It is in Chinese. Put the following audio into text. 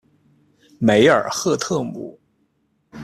梅尔赫特姆。